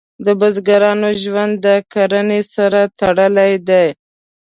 د بزګرانو ژوند د کرنې سره تړلی دی.